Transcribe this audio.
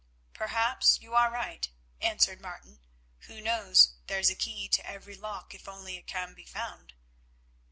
"Perhaps you are right," answered Martin. "Who knows, there's a key to every lock, if only it can be found."